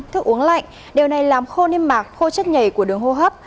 thức uống lạnh điều này làm khô niêm mạc khô chất nhảy của đường hô hấp